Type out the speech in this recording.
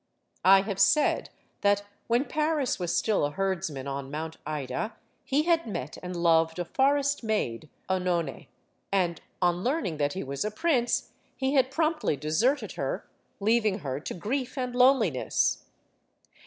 I have said that when Paris was still a herdsman on Mount Ida, he had met and loved a forest maid, CEnone, and, on learning that he was a prince, he had promptly de serted her, leaving her to grief and loneliness.